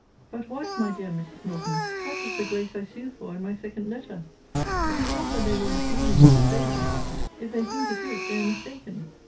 But what, my dear Mrs. Norton, what is the grace I sue for in my second letter? It is not that they will receive me into favour If they think it is, they are mistaken.